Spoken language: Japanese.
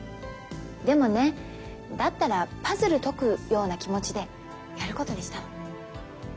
でもねだったらパズル解くような気持ちでやることにしたの。